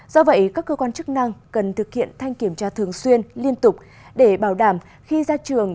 do vậy các cơ quan chức năng cần thực hiện thanh kiểm tra thường xuyên liên tục để bảo đảm khi ra trường